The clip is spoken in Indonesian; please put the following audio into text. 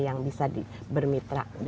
yang bisa bermitra